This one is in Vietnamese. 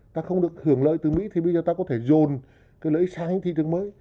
ta không được hưởng lợi từ mỹ thì bây giờ ta có thể dồn cái lợi ích sang những thị trường mới